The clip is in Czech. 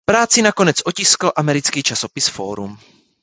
Práci nakonec otiskl americký časopis "Forum".